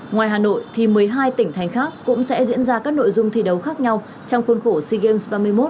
ngoài hà nội thì một mươi hai tỉnh thành khác cũng sẽ diễn ra các nội dung thi đấu khác nhau trong khuôn khổ sea games ba mươi một